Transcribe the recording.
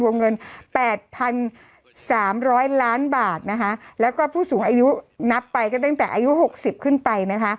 วงเงิน๘๓๐๐ล้านบาทแล้วก็ผู้สูงอายุนับไปตั้งแต่อายุ๖๐ขึ้นไป